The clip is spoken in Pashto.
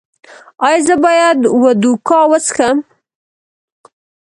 ایا زه باید وودکا وڅښم؟